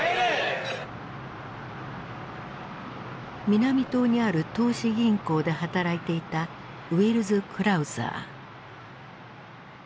南棟にある投資銀行で働いていたウェルズ・クラウザー。